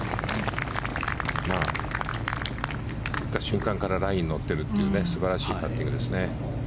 打った瞬間からラインに乗っているという素晴らしいパッティングですね。